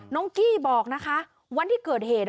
กี้บอกนะคะวันที่เกิดเหตุ